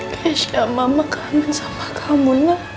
kejah mama kangen sama kamu